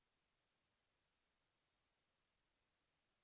ส่วนข้อมีการหรือเปล่า